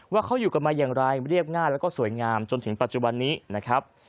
ว่าเขาอยู่กันมาอย่างไรเรียบง่ายแล้วก็สวยงามจนถึงปัจจุบันนี้นะครับ